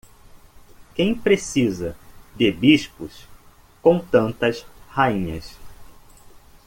Quem precisa de bispos com tantas rainhas?